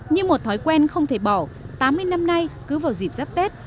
như một thói quen không thể bỏ tám mươi năm nay cứ vào dịp giáp tết